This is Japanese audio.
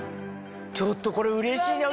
ちょっとこれうれしい。